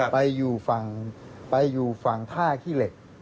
ไปอยู่ฝั่งไปอยู่ฝั่งภาคิเล็ก